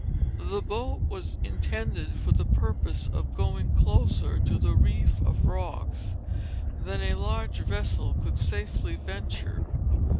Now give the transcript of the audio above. The boat was intended for the purpose of going closer to the reef of rocks than a large vessel could safely venture.